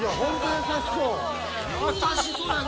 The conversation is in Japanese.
◆優しそうやで。